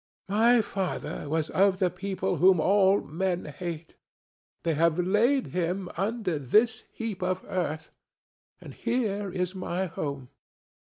"My father was of the people whom all men hate; they have laid him under this heap of earth, and here is my home."